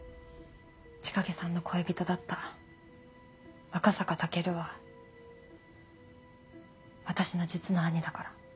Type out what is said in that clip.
千景さんの恋人だった赤坂武尊は私の実の兄だから。